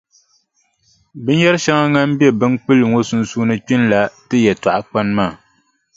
Binyɛrʼ shɛŋa ŋan be binkpulli ŋɔ sunsuuni kpinila ti yɛltɔɣikpani maa.